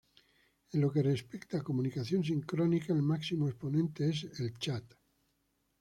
En lo que respecta a comunicación sincrónica, el máximo exponente es el chat.